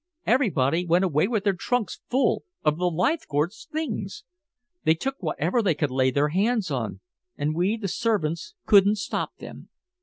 Everybody went away with their trunks full of the Leithcourt's things. They took whatever they could lay their hands on, and we, the servants, couldn't stop them.